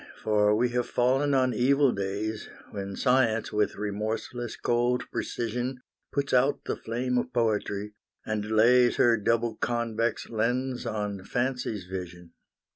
for we have fallen on evil days, When science, with remorseless cold precision, Puts out the flame of poetry, and lays Her double convex lens on fancy's vision.